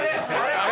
あれ？